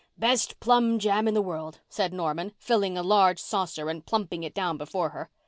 "Best plum jam in the world," said Norman, filling a large saucer and plumping it down before her.